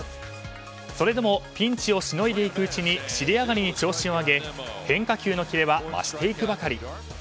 それでもピンチをしのいでいくうちに尻上がりに調子を上げ変化球のキレは増していくばかり。